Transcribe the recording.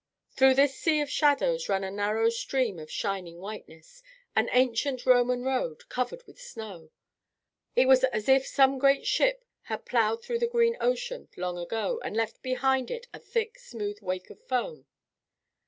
Through this sea of shadows ran a narrow stream of shining whiteness, an ancient Roman road, covered with snow. It was as if some great ship had ploughed through the green ocean long ago, and left behind it a thick, smooth wake of foam.